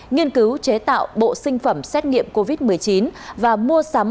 nghiên cứu chế tạo bộ sinh phẩm xét nghiệm covid một mươi chín và mua sắm